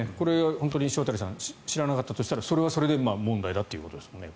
本当に知らなかったとしたらそれはそれで問題だということですね。